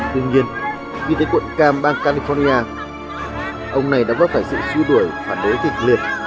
tuy nhiên khi tới quận cam bang california ông này đã có phải sự su đuổi phản đối thịch liệt